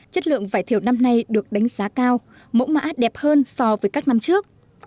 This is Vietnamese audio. chất lượng vải thiều năm nay được đánh giá cao mẫu mã đẹp hơn so với các năm trước